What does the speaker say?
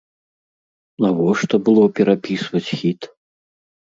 Навошта было перапісваць хіт?